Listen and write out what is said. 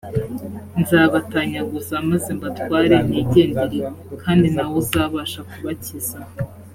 nzabatanyaguza maze mbatware nigendere kandi nta wuzabasha kubakiza